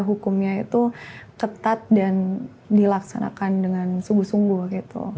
hukumnya itu ketat dan dilaksanakan dengan sungguh sungguh gitu